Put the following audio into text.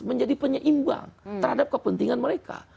menjadi penyeimbang terhadap kepentingan mereka